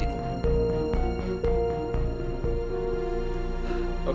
tenang besi tysik betul